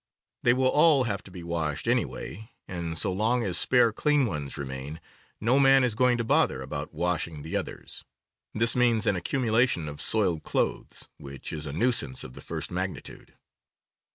They will all have to be washed, anyway, and so long as spare clean ones remain no man is going to bother about washing the others. This means an ac cumulation of soiled clothes, which is a nuisance of the first magnitude.